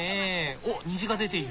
おっ虹が出ている。